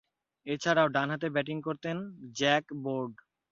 এছাড়াও, ডানহাতে ব্যাটিং করতেন জ্যাক বোর্ড।